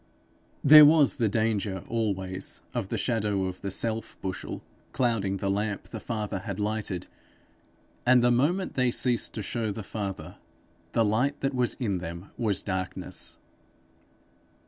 There was the danger always of the shadow of the self bushel clouding the lamp the Father had lighted; and the moment they ceased to show the Father, the light that was in them was darkness.